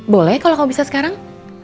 boleh kalau kamu bisa sekarang